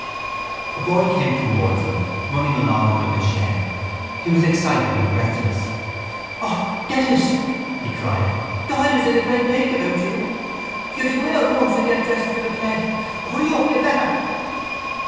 A boy came towards them, running along under the shed. He was excited and breathless. —O, Dedalus, he cried, Doyle is in a great bake about you. You're to go in at once and get dressed for the play. Hurry up, you better.